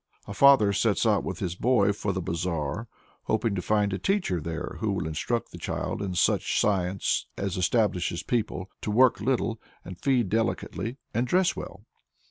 A father sets out with his boy for "the bazaar," hoping to find a teacher there who will instruct the child in such science as enables people "to work little, and feed delicately, and dress well."